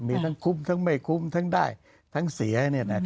มีทั้งคุ้มทั้งไม่คุ้มทั้งได้ทั้งเสีย